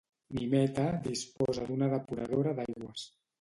Nimeta disposa d'una depuradora d'aigües.